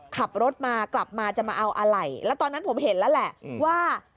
ขับรถมากลับมาจะมาเอาอะไรแล้วตอนนั้นผมเห็นแล้วแหละว่า